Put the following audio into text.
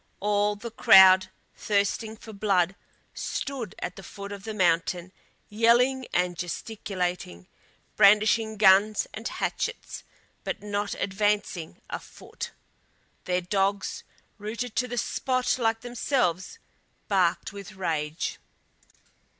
All the crowd, thirsting for blood, stood at the foot of the mountain yelling and gesticulating, brandishing guns and hatchets, but not advancing a foot. Their dogs, rooted to the spot like themselves, barked with rage.